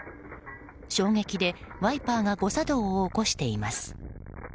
衝撃でワイパーが誤作動を起こしています。